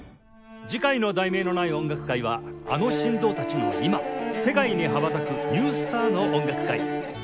次回の『題名のない音楽会』は「あの神童たちの今！世界に羽ばたくニュースターの音楽会」